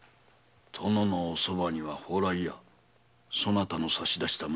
殿のお側には宝来屋そなたの差し出した娘